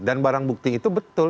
dan barang bukti itu betul